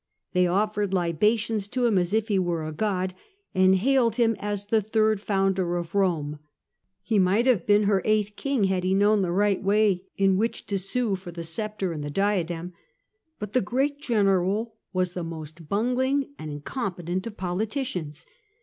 They offered libations to him, as if he were a god, and hailed him as the third founder of Rome :'' he might have been her eighth king had he known the right way in which to sue for the sceptre and the diadem. But the great general was the most bungling and incompetent of politicians.